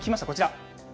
こちら。